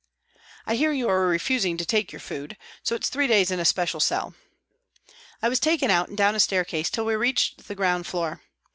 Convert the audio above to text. " I hear you are refusing to take your food, so it's three days in a special cell." I was taken out and down a staircase till we reached the ground floor.